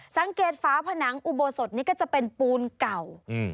สังเกตฟ้าผนังอุโบสดนี้ก็จะเป็นปูนเก่า